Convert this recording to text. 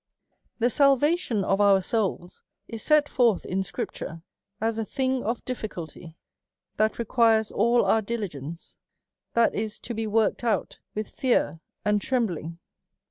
The salvation of our souls is set forth in scripture as a thing of difficulty, that requires all our dihgence, that is to be icorked out with fear and trembling.